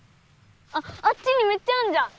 あっあっちにめっちゃあんじゃん！